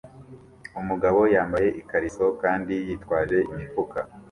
Umugabo yambaye ikariso kandi yitwaje imifuka